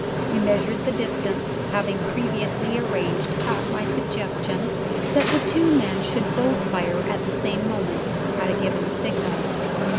We measured the distance, having previously arranged (at my suggestion) that the two men should both fire at the same moment, at a given signal.